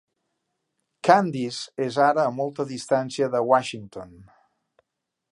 Candice és ara a molt distància de Washington!